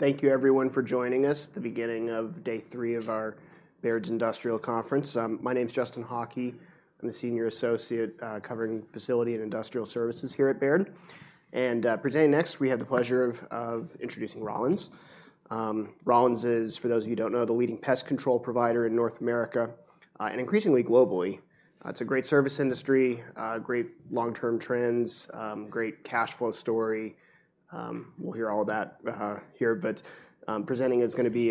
Thank you everyone for joining us at the beginning of day three of our Baird's Industrial Conference. My name is Justin Hauke. I'm a senior associate covering facility and industrial services here at Baird. Presenting next, we have the pleasure of introducing Rollins. Rollins is, for those of you who don't know, the leading pest control provider in North America and increasingly globally. It's a great service industry, great long-term trends, great cash flow story. We'll hear all about it here, but presenting is gonna be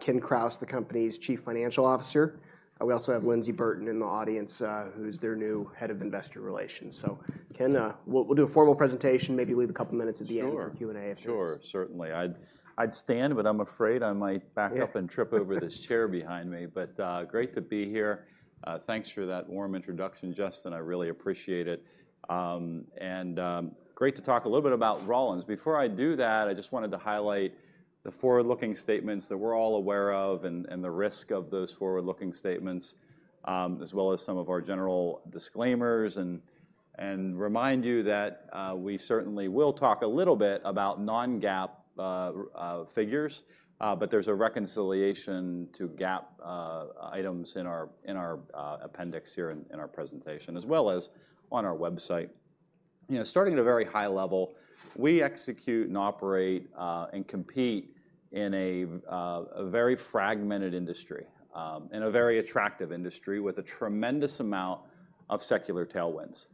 Ken Krause, the company's Chief Financial Officer. We also have Lyndsey Burton in the audience, who's their new head of investor relations. Ken, we'll do a formal presentation, maybe leave a couple of minutes at the end. Sure for Q&A, if you wish. Sure, certainly. I'd stand, but I'm afraid I might back up- Yeah and trip over this chair behind me. But great to be here. Thanks for that warm introduction, Justin. I really appreciate it. And great to talk a little bit about Rollins. Before I do that, I just wanted to highlight the forward-looking statements that we're all aware of and the risk of those forward-looking statements, as well as some of our general disclaimers, and remind you that we certainly will talk a little bit about non-GAAP figures, but there's a reconciliation to GAAP items in our appendix here in our presentation, as well as on our website. You know, starting at a very high level, we execute and operate and compete in a very fragmented industry, in a very attractive industry with a tremendous amount of secular tailwinds.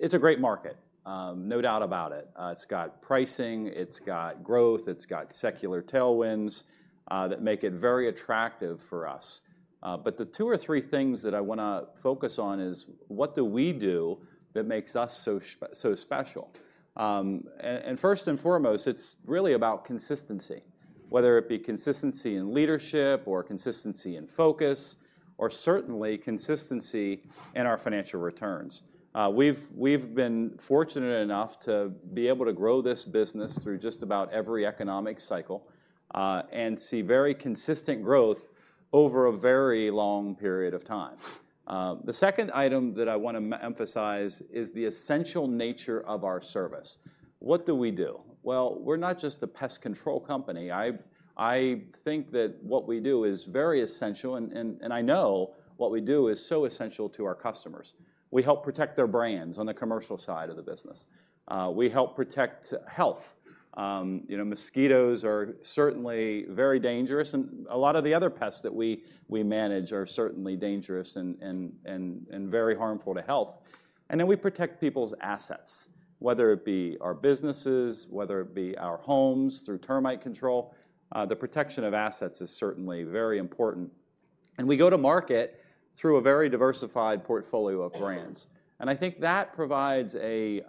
It's a great market, no doubt about it. It's got pricing, it's got growth, it's got secular tailwinds that make it very attractive for us. But the two or three things that I wanna focus on is, what do we do that makes us so special? First and foremost, it's really about consistency, whether it be consistency in leadership, or consistency in focus, or certainly consistency in our financial returns. We've been fortunate enough to be able to grow this business through just about every economic cycle, and see very consistent growth over a very long period of time. The second item that I wanna emphasize is the essential nature of our service. What do we do? Well, we're not just a pest control company. I think that what we do is very essential, and I know what we do is so essential to our customers. We help protect their brands on the commercial side of the business. We help protect health. You know, mosquitoes are certainly very dangerous, and a lot of the other pests that we manage are certainly dangerous and very harmful to health. And then, we protect people's assets, whether it be our businesses, whether it be our homes through termite control, the protection of assets is certainly very important. And we go to market through a very diversified portfolio of brands. And I think that provides a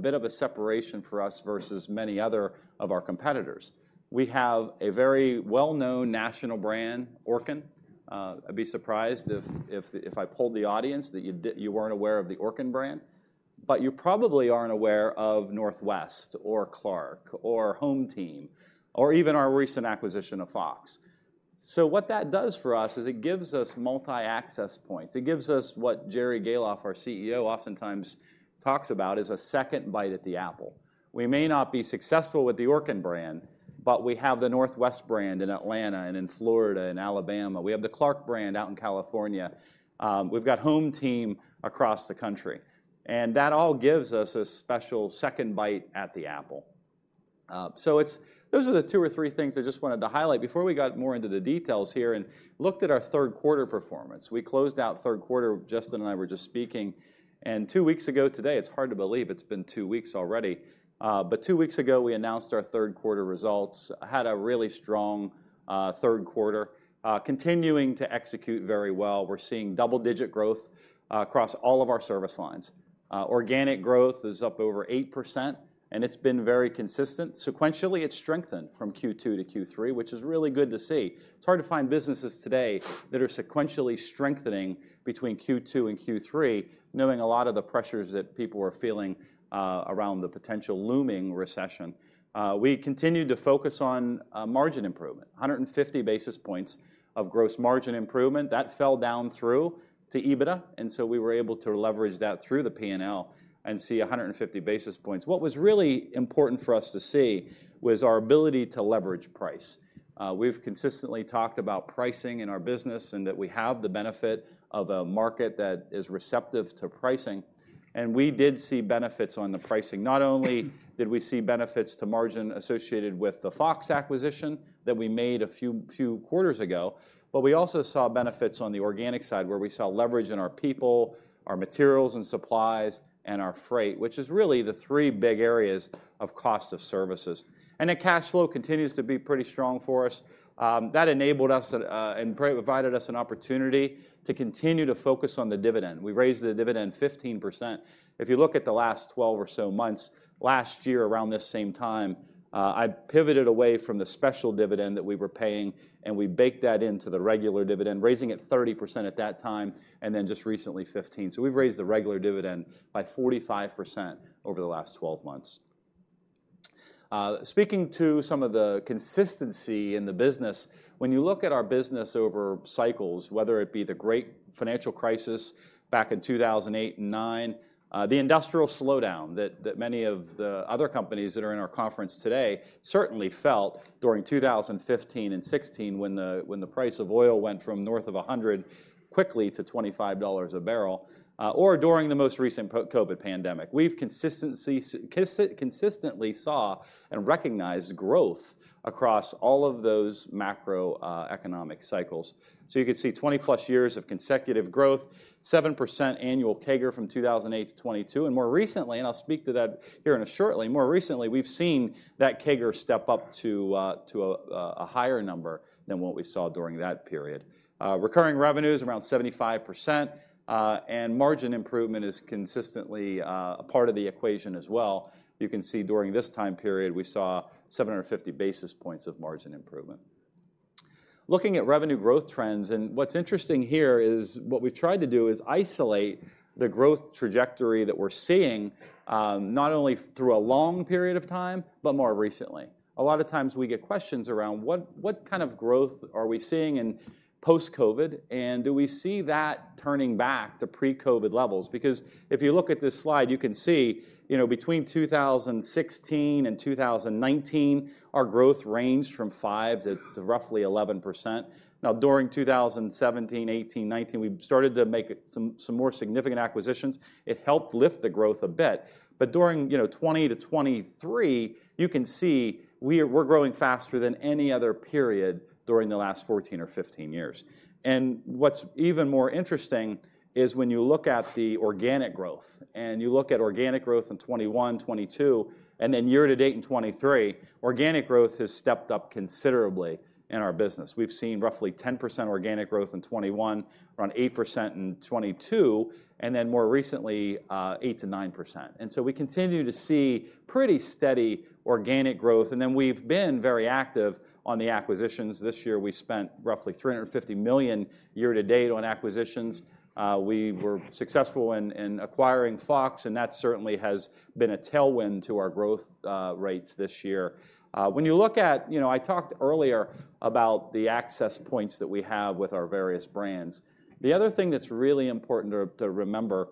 bit of a separation for us versus many other of our competitors. We have a very well-known national brand, Orkin. I'd be surprised if I polled the audience that you weren't aware of the Orkin brand. But you probably aren't aware of Northwest or Clark or HomeTeam, or even our recent acquisition of Fox. So what that does for us is it gives us multi-access points. It gives us what Jerry Gahlhoff, our CEO, oftentimes talks about, is a second bite at the apple. We may not be successful with the Orkin brand, but we have the Northwest brand in Atlanta and in Florida and Alabama. We have the Clark brand out in California. We've got HomeTeam across the country, and that all gives us a special second bite at the apple. So it's... Those are the two or three things I just wanted to highlight before we got more into the details here and looked at our third quarter performance. We closed out third quarter, Justin and I were just speaking, and two weeks ago today, it's hard to believe it's been two weeks already, but two weeks ago, we announced our third quarter results, had a really strong, third quarter, continuing to execute very well. We're seeing double-digit growth, across all of our service lines. Organic growth is up over 8%, and it's been very consistent. Sequentially, it strengthened from Q2 to Q3, which is really good to see. It's hard to find businesses today that are sequentially strengthening between Q2 and Q3, knowing a lot of the pressures that people are feeling, around the potential looming recession. We continued to focus on, margin improvement, 150 basis points of gross margin improvement. That fell down through to EBITDA, and so we were able to leverage that through the P&L and see 150 basis points. What was really important for us to see was our ability to leverage price. We've consistently talked about pricing in our business, and that we have the benefit of a market that is receptive to pricing, and we did see benefits on the pricing. Not only did we see benefits to margin associated with the Fox acquisition that we made a few quarters ago, but we also saw benefits on the organic side, where we saw leverage in our people, our materials and supplies, and our freight, which is really the three big areas of cost of services. And the cash flow continues to be pretty strong for us. That enabled us and provided us an opportunity to continue to focus on the dividend. We raised the dividend 15%. If you look at the last 12 or so months, last year, around this same time, I pivoted away from the special dividend that we were paying, and we baked that into the regular dividend, raising it 30% at that time, and then just recently, 15. So we've raised the regular dividend by 45% over the last 12 months. Speaking to some of the consistency in the business, when you look at our business over cycles, whether it be the great financial crisis back in 2008 and 2009, the industrial slowdown that many of the other companies that are in our conference today certainly felt during 2015 and 2016 when the price of oil went from north of 100 quickly to $25 a barrel, or during the most recent COVID pandemic. We've consistently saw and recognized growth across all of those macro economic cycles. So you can see 20+ years of consecutive growth, 7% annual CAGR from 2008 to 2022. More recently, and I'll speak to that here in a shortly, more recently, we've seen that CAGR step up to a higher number than what we saw during that period. Recurring revenue is around 75%, and margin improvement is consistently a part of the equation as well. You can see during this time period, we saw 750 basis points of margin improvement. Looking at revenue growth trends, and what's interesting here is what we've tried to do is isolate the growth trajectory that we're seeing, not only through a long period of time, but more recently. A lot of times we get questions around what kind of growth are we seeing in post-COVID, and do we see that turning back to pre-COVID levels? Because if you look at this slide, you can see, you know, between 2016 and 2019, our growth ranged from 5% to roughly 11%. Now, during 2017, 2018, 2019, we started to make some, some more significant acquisitions. It helped lift the growth a bit. But during, you know, 2020-2023, you can see we are-- we're growing faster than any other period during the last 14 or 15 years. And what's even more interesting is when you look at the organic growth, and you look at organic growth in 2021, 2022, and then year to date in 2023, organic growth has stepped up considerably in our business. We've seen roughly 10% organic growth in 2021, around 8% in 2022, and then more recently, eight to nine percent. So we continue to see pretty steady organic growth, and then we've been very active on the acquisitions. This year, we spent roughly $350 million year to date on acquisitions. We were successful in acquiring Fox, and that certainly has been a tailwind to our growth rates this year. When you look at... You know, I talked earlier about the access points that we have with our various brands. The other thing that's really important to remember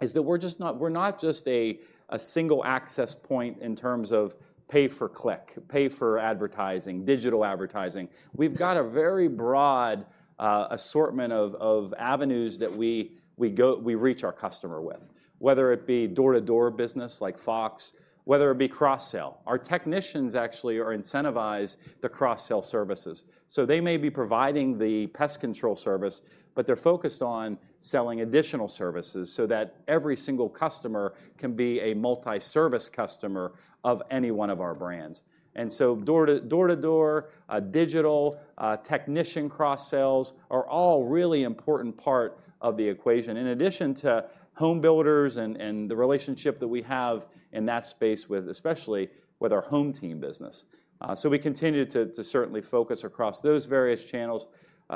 is that we're not just a single access point in terms of pay per click, pay for advertising, digital advertising. We've got a very broad assortment of avenues that we reach our customer with, whether it be door-to-door business like Fox, whether it be cross-sell. Our technicians actually are incentivized to cross-sell services. So they may be providing the pest control service, but they're focused on selling additional services so that every single customer can be a multi-service customer of any one of our brands. And so door-to-door, digital, technician cross-sells are all really important part of the equation, in addition to home builders and the relationship that we have in that space with, especially with our HomeTeam business. So we continue to certainly focus across those various channels.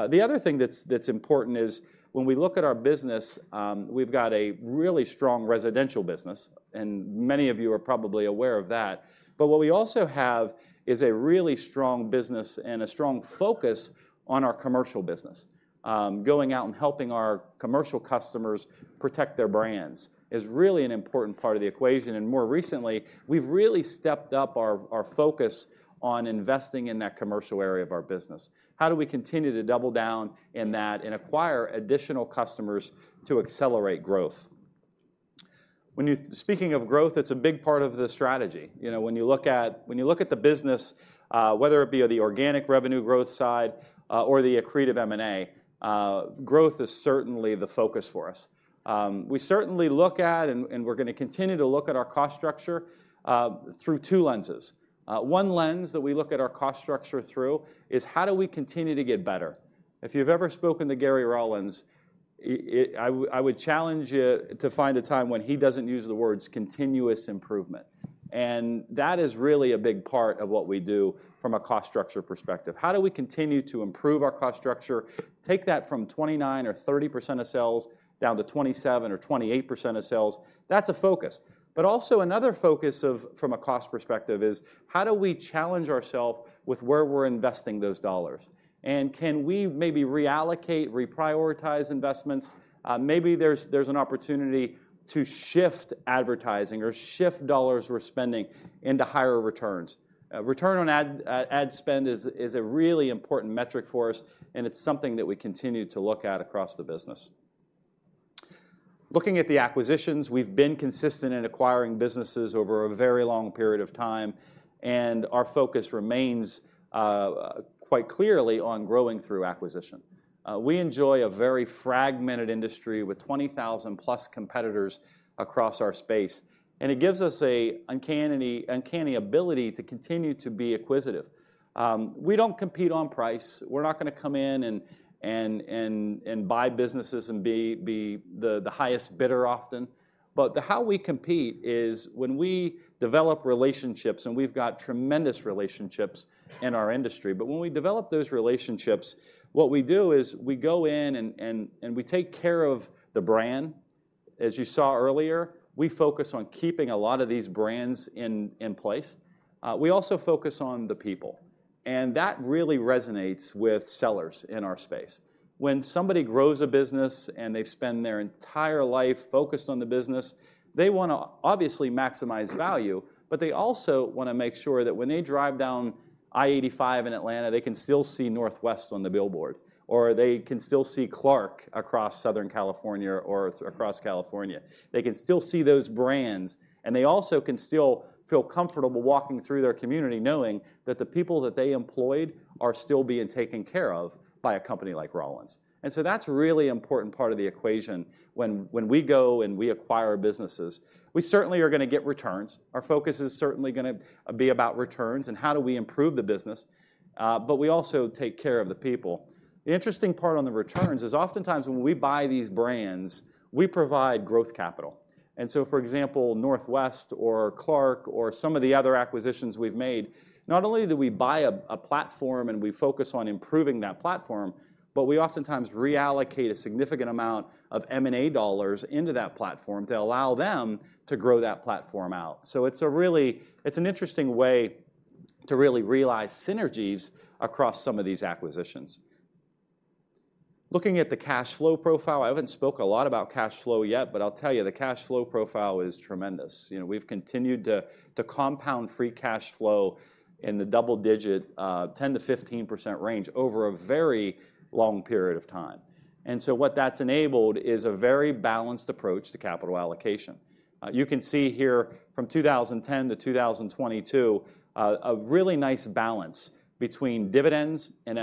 The other thing that's important is when we look at our business, we've got a really strong residential business, and many of you are probably aware of that. But what we also have is a really strong business and a strong focus on our commercial business. Going out and helping our commercial customers protect their brands is really an important part of the equation, and more recently, we've really stepped up our focus on investing in that commercial area of our business. How do we continue to double down in that and acquire additional customers to accelerate growth? Speaking of growth, it's a big part of the strategy. You know, when you look at the business, whether it be the organic revenue growth side or the accretive M&A, growth is certainly the focus for us. We certainly look at, and we're gonna continue to look at our cost structure through two lenses. One lens that we look at our cost structure through is, how do we continue to get better? If you've ever spoken to Gary Rollins, it... I would, I would challenge you to find a time when he doesn't use the words continuous improvement. That is really a big part of what we do from a cost structure perspective. How do we continue to improve our cost structure? Take that from 29% or 30% of sales down to 27%-28% of sales. That's a focus. But also another focus, from a cost perspective, is how do we challenge ourselves with where we're investing those dollars? Can we maybe reallocate, reprioritize investments? Maybe there's an opportunity to shift advertising or shift dollars we're spending into higher returns. Return on ad spend is a really important metric for us, and it's something that we continue to look at across the business. Looking at the acquisitions, we've been consistent in acquiring businesses over a very long period of time, and our focus remains quite clearly on growing through acquisition. We enjoy a very fragmented industry with 20,000+ competitors across our space, and it gives us an uncanny ability to continue to be acquisitive. We don't compete on price. We're not gonna come in and buy businesses and be the highest bidder often. But the how we compete is when we develop relationships, and we've got tremendous relationships in our industry, but when we develop those relationships, what we do is we go in and we take care of the brand. As you saw earlier, we focus on keeping a lot of these brands in place. We also focus on the people, and that really resonates with sellers in our space. When somebody grows a business and they've spent their entire life focused on the business, they wanna obviously maximize value, but they also wanna make sure that when they drive down I-85 in Atlanta, they can still see Northwest on the billboard, or they can still see Clark across Southern California or across California. They can still see those brands, nd they also can still feel comfortable walking through their community, knowing that the people that they employed are still being taken care of by a company like Rollins. And so that's a really important part of the equation. When we go and we acquire businesses, we certainly are gonna get returns. Our focus is certainly gonna be about returns and how do we improve the business, but we also take care of the people. The interesting part on the returns is oftentimes when we buy these brands, we provide growth capital. So, for example, Northwest or Clark or some of the other acquisitions we've made, not only do we buy a platform, and we focus on improving that platform, but we oftentimes reallocate a significant amount of M&A dollars into that platform to allow them to grow that platform out. So it's a really, it's an interesting way to really realize synergies across some of these acquisitions. Looking at the cash flow profile, I haven't spoke a lot about cash flow yet, but I'll tell you, the cash flow profile is tremendous. You know, we've continued to compound free cash flow in the double-digit 10%-15% range over a very long period of time. So what that's enabled is a very balanced approach to capital allocation. You can see here from 2010 to 2022 a really nice balance between dividends and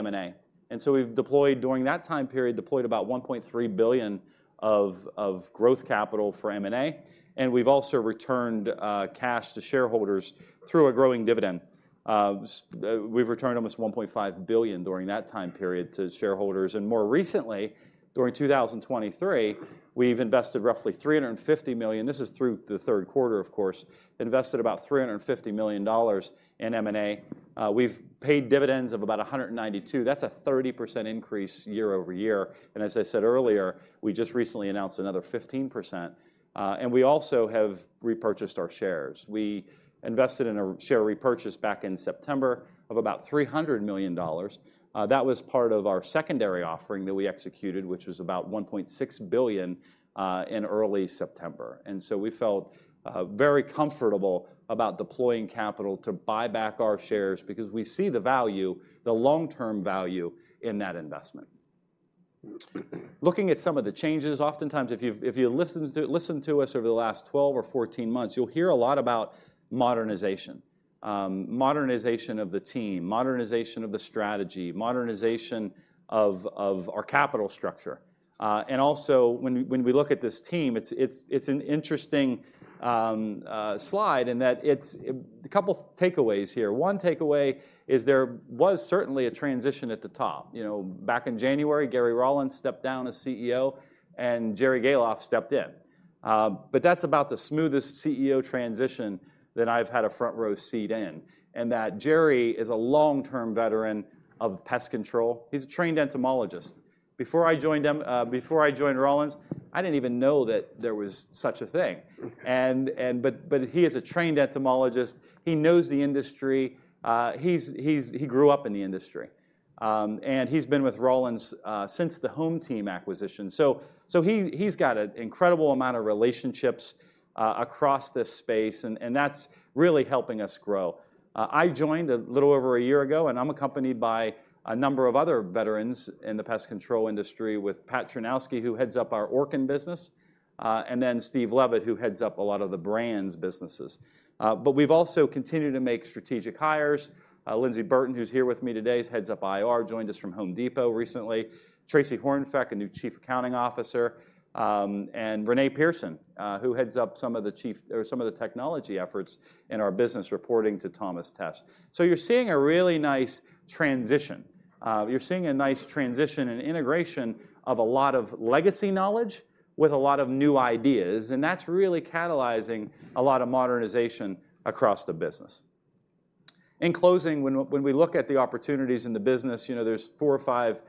M&A. So we've deployed, during that time period, deployed about $1.3 billion of growth capital for M&A, and we've also returned cash to shareholders through a growing dividend. We've returned almost $1.5 billion during that time period to shareholders. And more recently, during 2023, we've invested roughly $350 million, this is through the third quarter, of course, invested about $350 million dollars in M&A. We've paid dividends of about $192 million. That's a 30% increase year-over-year, and as I said earlier, we just recently announced another 15%, and we also have repurchased our shares. We invested in a share repurchase back in September of about $300 million. That was part of our secondary offering that we executed, which was about $1.6 billion in early September. And so we felt very comfortable about deploying capital to buy back our shares because we see the value, the long-term value in that investment. Looking at some of the changes, oftentimes, if you've listened to us over the last 12 or 14 months, you'll hear a lot about modernization. Modernization of the team, modernization of the strategy, modernization of our capital structure. And also, when we look at this team, it's an interesting slide in that it's... A couple takeaways here. One takeaway is there was certainly a transition at the top. You know, back in January, Gary Rollins stepped down as CEO, and Jerry Gahlhoff stepped in. But that's about the smoothest CEO transition that I've had a front-row seat in, and that Jerry is a long-term veteran of pest control. He's a trained entomologist. Before I joined him, before I joined Rollins, I didn't even know that there was such a thing. And, but he is a trained entomologist. He knows the industry. He grew up in the industry. And he's been with Rollins since the HomeTeam acquisition. So he’s got an incredible amount of relationships across this space, and that’s really helping us grow. I joined a little over a year ago, and I’m accompanied by a number of other veterans in the pest control industry with Pat Chrzanowski, who heads up our Orkin business, and then Steve Leavitt, who heads up a lot of the brands businesses. But we’ve also continued to make strategic hires. Lyndsey Burton, who’s here with me today, heads up IR, joined us from Home Depot recently. Tracy Hornfeck, a new Chief Accounting Officer, and Renee Pearson, who heads up some of the chief or some of the technology efforts in our business, reporting to Thomas Tesch. So you’re seeing a really nice transition. You're seeing a nice transition and integration of a lot of legacy knowledge with a lot of new ideas, and that's really catalyzing a lot of modernization across the business. In closing, when we look at the opportunities in the business, you know, there's four or five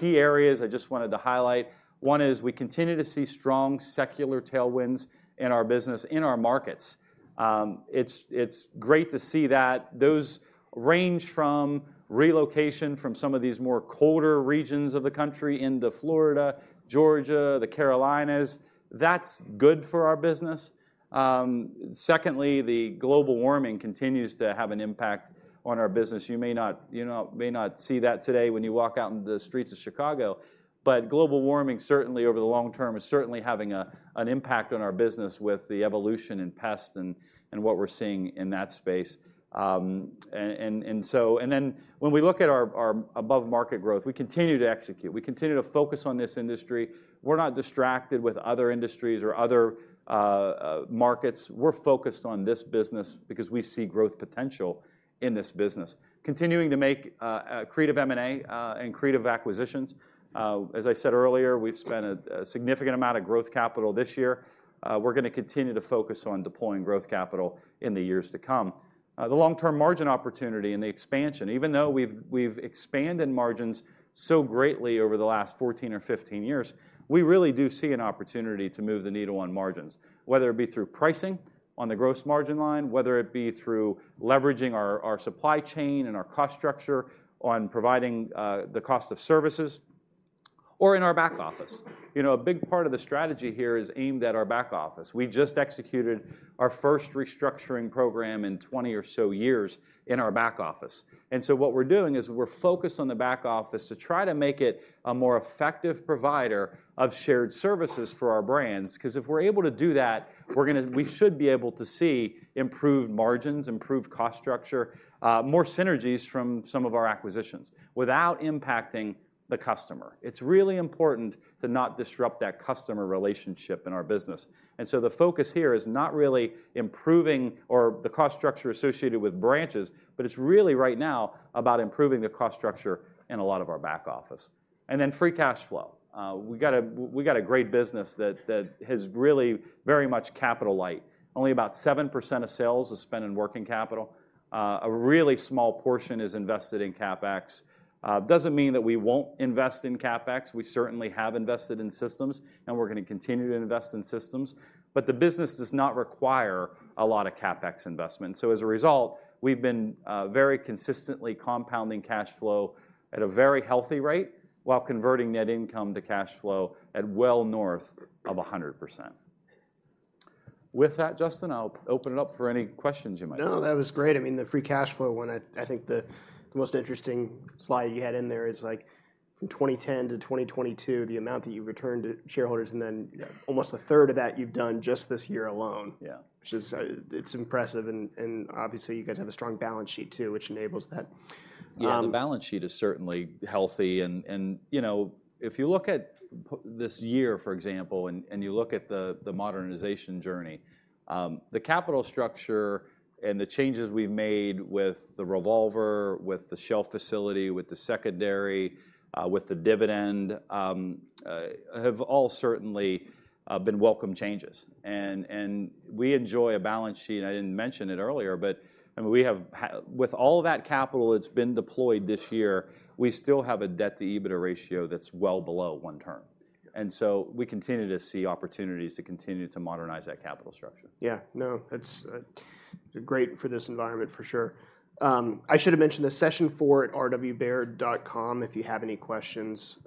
key areas I just wanted to highlight. One is we continue to see strong secular tailwinds in our business, in our markets. It's great to see that. Those range from relocation from some of these more colder regions of the country into Florida, Georgia, the Carolinas. That's good for our business. Secondly, the global warming continues to have an impact on our business. You may not, you know, may not see that today when you walk out in the streets of Chicago, but global warming, certainly over the long term, is certainly having an impact on our business with the evolution in pest and what we're seeing in that space. Then, when we look at our above-market growth, we continue to execute. We continue to focus on this industry. We're not distracted with other industries or other markets. We're focused on this business because we see growth potential in this business. Continuing to make creative M&A and creative acquisitions. As I said earlier, we've spent a significant amount of growth capital this year. We're gonna continue to focus on deploying growth capital in the years to come. The long-term margin opportunity and the expansion, even though we've expanded margins so greatly over the last 14 or 15 years, we really do see an opportunity to move the needle on margins, whether it be through pricing on the gross margin line, whether it be through leveraging our supply chain and our cost structure on providing the cost of services... or in our back office. You know, a big part of the strategy here is aimed at our back office. We just executed our first restructuring program in 20 or so years in our back office. And so what we're doing is we're focused on the back office to try to make it a more effective provider of shared services for our brands. 'Cause if we're able to do that, we're gonna, we should be able to see improved margins, improved cost structure, more synergies from some of our acquisitions, without impacting the customer. It's really important to not disrupt that customer relationship in our business. And so the focus here is not really improving, or the cost structure associated with branches, but it's really, right now, about improving the cost structure in a lot of our back office. And then free cash flow. We got a great business that has really very much capital light. Only about 7% of sales is spent in working capital. A really small portion is invested in CapEx. Doesn't mean that we won't invest in CapEx. We certainly have invested in systems, and we're gonna continue to invest in systems, but the business does not require a lot of CapEx investment. So as a result, we've been very consistently compounding cash flow at a very healthy rate, while converting net income to cash flow at well north of 100%. With that, Justin, I'll open it up for any questions you might have. No, that was great. I mean, the free cash flow one, I think the most interesting slide you had in there is, like, from 2010 to 2022, the amount that you returned to shareholders, and then- Yeah... almost a third of that you've done just this year alone. Yeah. Which is, it's impressive, and, and obviously you guys have a strong balance sheet too, which enables that. Yeah, the balance sheet is certainly healthy, and, and, you know, if you look at this year, for example, and, and you look at the, the modernization journey, the capital structure and the changes we've made with the revolver, with the shelf facility, with the secondary, with the dividend, have all certainly been welcome changes. And, and we enjoy a balance sheet. I didn't mention it earlier, but I mean, we have with all of that capital that's been deployed this year, we still have a debt-to-EBITDA ratio that's well below one turn. Yeah. We continue to see opportunities to continue to modernize that capital structure. Yeah. No, it's great for this environment for sure. I should have mentioned the session four at rwbaird.com if you have any questions.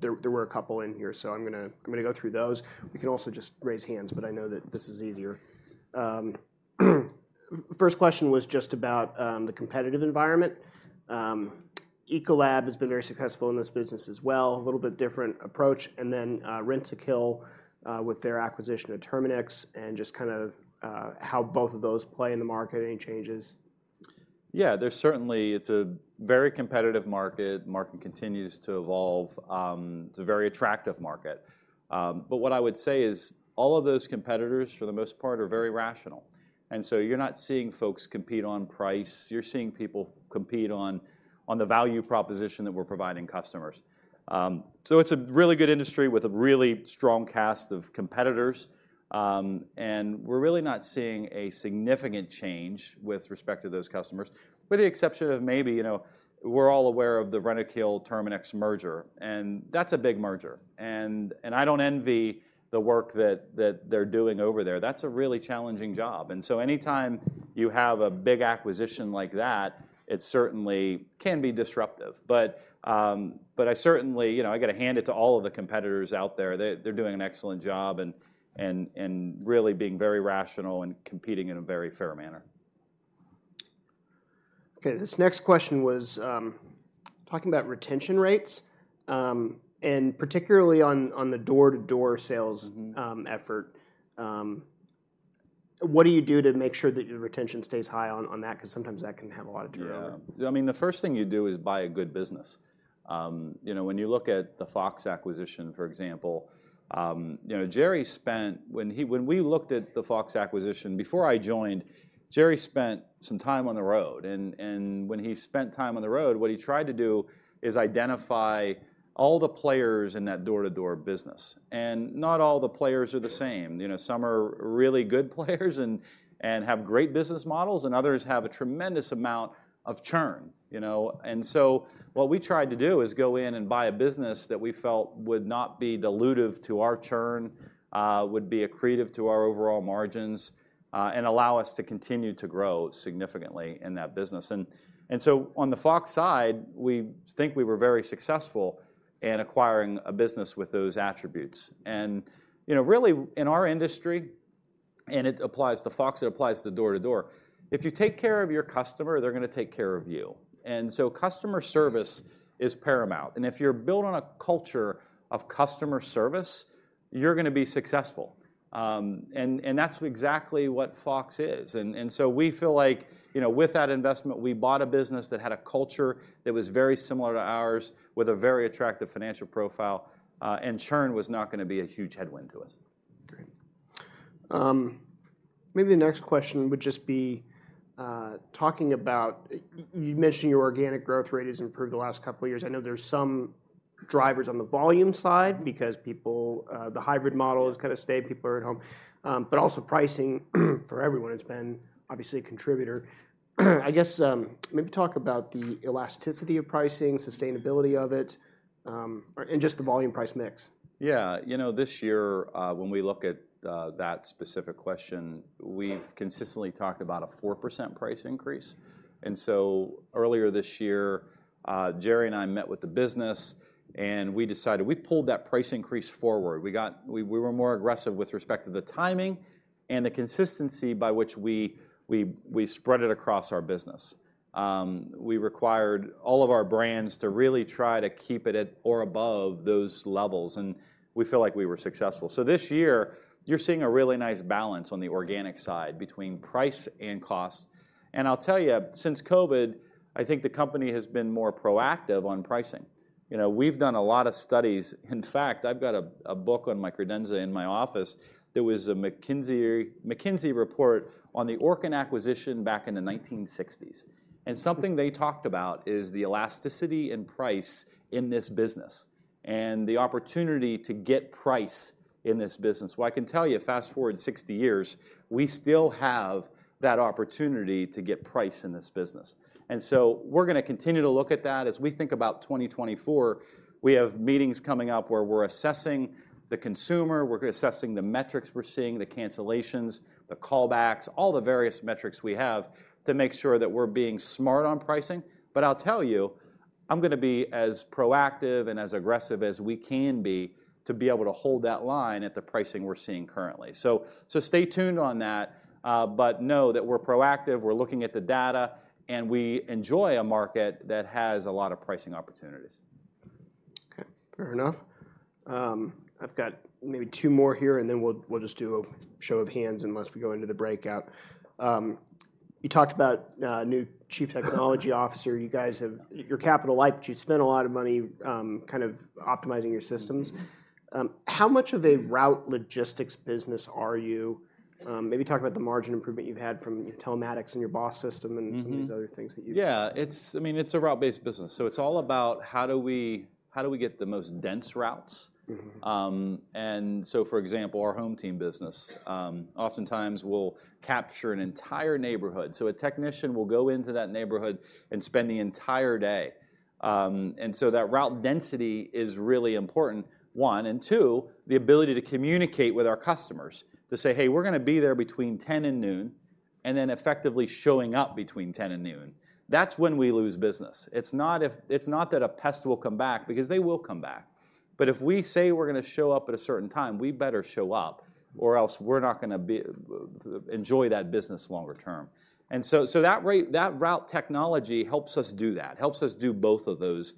There were a couple in here, so I'm gonna go through those. We can also just raise hands, but I know that this is easier. First question was just about the competitive environment. Ecolab has been very successful in this business as well, a little bit different approach, and then Rentokil with their acquisition of Terminix, and just kind of how both of those play in the market, any changes? Yeah, there's certainly... It's a very competitive market. Market continues to evolve. It's a very attractive market. But what I would say is, all of those competitors, for the most part, are very rational, and so you're not seeing folks compete on price, you're seeing people compete on, on the value proposition that we're providing customers. So it's a really good industry with a really strong cast of competitors. And we're really not seeing a significant change with respect to those customers, with the exception of maybe, you know, we're all aware of the Rentokil-Terminix merger, and that's a big merger. And I don't envy the work that they're doing over there. That's a really challenging job, and so anytime you have a big acquisition like that, it certainly can be disruptive. But I certainly... You know, I gotta hand it to all of the competitors out there. They're doing an excellent job and really being very rational and competing in a very fair manner. Okay, this next question was talking about retention rates and particularly on, on the door-to-door sales effort. What do you do to make sure that your retention stays high on, on that? Because sometimes that can have a lot of turnover. Yeah. I mean, the first thing you do is buy a good business. You know, when you look at the Fox acquisition, for example, you know, when we looked at the Fox acquisition, before I joined, Jerry spent some time on the road, and when he spent time on the road, what he tried to do is identify all the players in that door-to-door business. And not all the players are the same. You know, some are really good players and have great business models, and others have a tremendous amount of churn, you know? And so what we tried to do is go in and buy a business that we felt would not be dilutive to our churn, would be accretive to our overall margins, and allow us to continue to grow significantly in that business. And so on the Fox side, we think we were very successful in acquiring a business with those attributes. And, you know, really, in our industry, and it applies to Fox, it applies to door-to-door, if you take care of your customer, they're gonna take care of you. And so customer service is paramount, and if you're built on a culture of customer service, you're gonna be successful. And that's exactly what Fox is. And so we feel like, you know, with that investment, we bought a business that had a culture that was very similar to ours, with a very attractive financial profile, and churn was not gonna be a huge headwind to us. Great. Maybe the next question would just be talking about, you've mentioned your organic growth rate has improved the last couple of years. I know there's drivers on the volume side, because people, the hybrid model has kind of stayed, people are at home. But also pricing for everyone, it's been obviously a contributor. I guess, maybe talk about the elasticity of pricing, sustainability of it, or and just the volume price mix. Yeah, you know, this year, when we look at that specific question, we've consistently talked about a 4% price increase. And so earlier this year, Jerry and I met with the business, and we decided. We pulled that price increase forward. We were more aggressive with respect to the timing and the consistency by which we spread it across our business. We required all of our brands to really try to keep it at or above those levels, and we feel like we were successful. So this year, you're seeing a really nice balance on the organic side between price and cost. And I'll tell you, since COVID, I think the company has been more proactive on pricing. You know, we've done a lot of studies. In fact, I've got a book on my credenza in my office that was a McKinsey report on the Orkin acquisition back in the 1960s. Mm. Something they talked about is the elasticity in price in this business and the opportunity to get price in this business. Well, I can tell you, fast-forward 60 years, we still have that opportunity to get price in this business, and so we're gonna continue to look at that. As we think about 2024, we have meetings coming up where we're assessing the consumer, we're assessing the metrics we're seeing, the cancellations, the callbacks, all the various metrics we have, to make sure that we're being smart on pricing. But I'll tell you, I'm gonna be as proactive and as aggressive as we can be to be able to hold that line at the pricing we're seeing currently. So, so stay tuned on that, but know that we're proactive, we're looking at the data, and we enjoy a market that has a lot of pricing opportunities. Okay, fair enough. I've got maybe two more here, and then we'll just do a show of hands unless we go into the breakout. You talked about a new chief technology officer. You guys are capital light, but you spent a lot of money kind of optimizing your systems. Mm-hmm. How much of a route logistics business are you? Maybe talk about the margin improvement you've had from your telematics and your BOSS system- Mm-hmm... and some of these other things that you- Yeah, it's, I mean, it's a route-based business. So it's all about how do we, how do we get the most dense routes? Mm-hmm. And so, for example, our HomeTeam business oftentimes will capture an entire neighborhood. So a technician will go into that neighborhood and spend the entire day. And so that route density is really important, one, and two, the ability to communicate with our customers, to say, "Hey, we're gonna be there between 10 and noon," and then effectively showing up between 10 and noon. That's when we lose business. It's not if, it's not that a pest will come back, because they will come back. But if we say we're gonna show up at a certain time, we better show up, or else we're not gonna enjoy that business longer term. And so that route technology helps us do that, helps us do both of those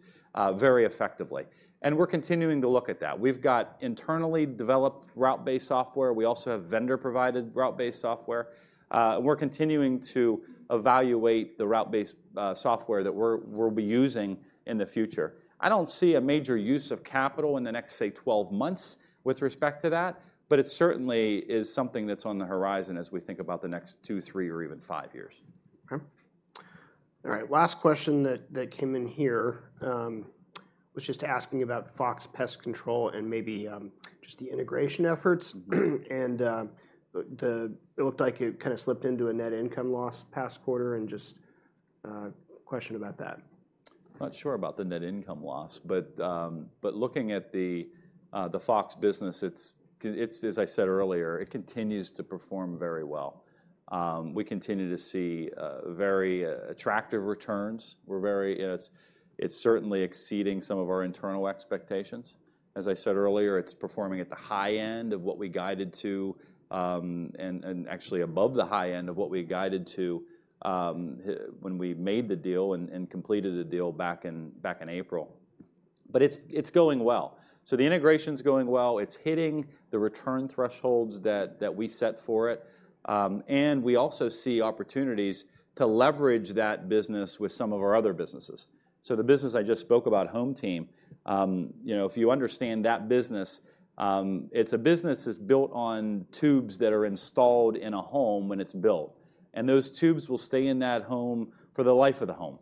very effectively, and we're continuing to look at that. We've got internally developed route-based software. We also have vendor-provided route-based software. We're continuing to evaluate the route-based software that we'll be using in the future. I don't see a major use of capital in the next, say, 12 months with respect to that, but it certainly is something that's on the horizon as we think about the next 2, 3, or even 5 years. Okay. All right, last question that came in here was just asking about Fox Pest Control and maybe just the integration efforts. And it looked like it kind of slipped into a net income loss past quarter, and just question about that. Not sure about the net income loss, but looking at the Fox business, it's as I said earlier, it continues to perform very well. We continue to see very attractive returns. We're very. It's certainly exceeding some of our internal expectations. As I said earlier, it's performing at the high end of what we guided to, and actually above the high end of what we guided to, when we made the deal and completed the deal back in April. But it's going well. So the integration's going well. It's hitting the return thresholds that we set for it. And we also see opportunities to leverage that business with some of our other businesses. So the business I just spoke about, HomeTeam, you know, if you understand that business, it's a business that's built on tubes that are installed in a home when it's built, and those tubes will stay in that home for the life of the home.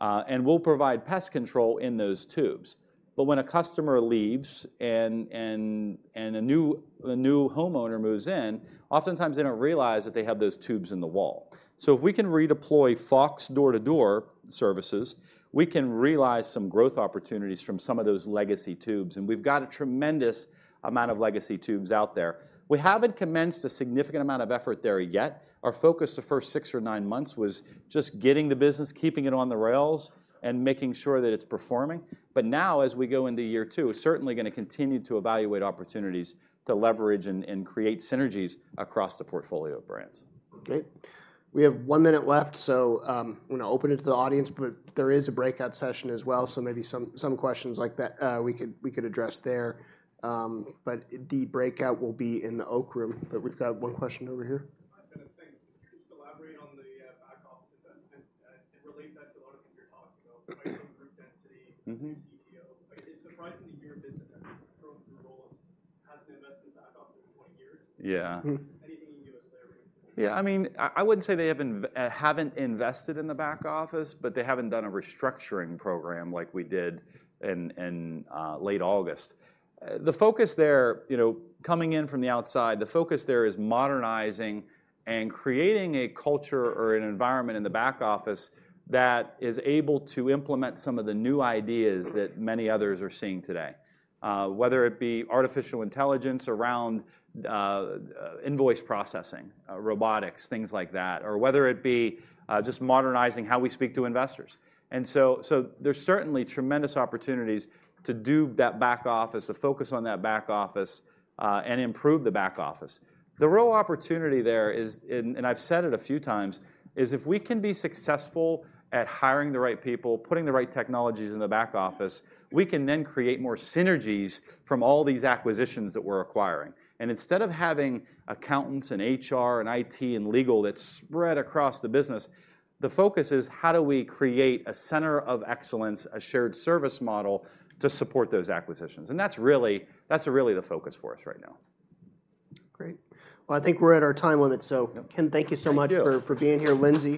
And we'll provide pest control in those tubes, but when a customer leaves, and a new homeowner moves in, oftentimes they don't realize that they have those tubes in the wall. So if we can redeploy Fox door-to-door services, we can realize some growth opportunities from some of those legacy tubes, and we've got a tremendous amount of legacy tubes out there. We haven't commenced a significant amount of effort there yet. Our focus the first six or nine months was just getting the business, keeping it on the rails, and making sure that it's performing. But now, as we go into year two, certainly gonna continue to evaluate opportunities to leverage and create synergies across the portfolio of brands. Great. We have one minute left, so, I'm gonna open it to the audience, but there is a breakout session as well, so maybe some questions like that, we could address there. But the breakout will be in the Oak Room, but we've got one question over here. Hi, Bennett. Thanks. Can you just elaborate on the back office investment and relate that to a lot of things you're talking about? Mm-hmm... route density- Mm-hmm... new CTO? Like, it's surprising to hear a business that has grown through roll-ups hasn't invested in back office in 20 years. Yeah. Mm-hmm. Anything you can give us there? Yeah, I mean, I wouldn't say they haven't invested in the back office, but they haven't done a restructuring program like we did in late August. The focus there, you know, coming in from the outside, the focus there is modernizing and creating a culture or an environment in the back office that is able to implement some of the new ideas that many others are seeing today. Whether it be artificial intelligence around invoice processing, robotics, things like that, or whether it be just modernizing how we speak to investors. And so there's certainly tremendous opportunities to do that back office, to focus on that back office, and improve the back office. The real opportunity there is, and I've said it a few times, is if we can be successful at hiring the right people, putting the right technologies in the back office, we can then create more synergies from all these acquisitions that we're acquiring. Instead of having accountants, and HR, and IT, and legal that's spread across the business, the focus is: How do we create a center of excellence, a shared service model, to support those acquisitions? That's really, that's really the focus for us right now. Great. Well, I think we're at our time limit, so- Yep... Ken, thank you so much- Thank you... for being here. Lyndsey?